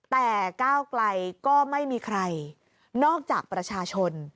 แต่ก้าวไกลก็ไม่มีใครนอกจากประชาชน